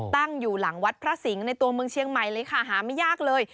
ตั้งอยู่หลังวัดพระสิงห์ในตัวเมืองเชียงใหม่เลยค่ะหาไม่ยากเลย